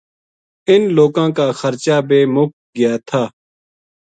اِن لوکاں کا خرچا بے مُک گیاتھا